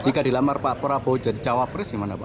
jika dilamar pak prabowo jadi cawapres gimana pak